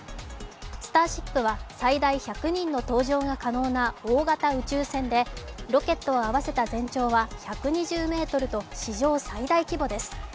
「スターシップ」は最大１００人の搭乗が可能な大型宇宙船でロケットを合わせた全長は１２０ｍと史上最大規模です。